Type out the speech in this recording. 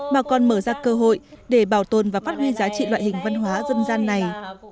mà còn mở ra cơ hội để bảo tồn và phát huy giá trị loại hình văn hóa dân gian này